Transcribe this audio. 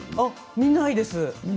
見ないです。